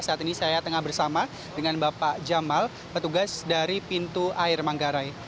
saat ini saya tengah bersama dengan bapak jamal petugas dari pintu air manggarai